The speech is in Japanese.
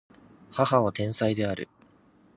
母は天才である